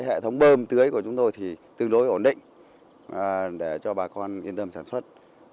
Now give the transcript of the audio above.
hệ thống bơm tưới của chúng tôi thì tương đối ổn định để cho bà con yên tâm sản xuất